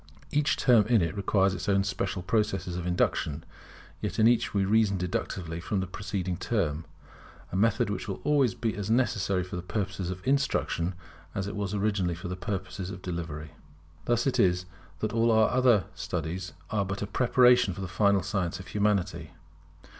Each term in it requires its own special processes of induction; yet in each we reason deductively from the preceding term, a method which will always be as necessary for purposes of instruction as it was originally for the purpose of discovery. Thus it is that all our other studies are but a preparation for the final science of Humanity.